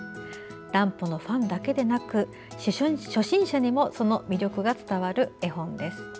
乱歩のファンだけでなく初心者にもその魅力が伝わる絵本です。